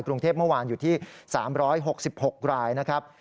กรุงเทพฯเมื่อวานอยู่ที่๓๖๖รายนะครับ